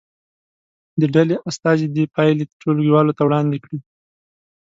د ډلې استازي دې پایلې ټولګي والو ته وړاندې کړي.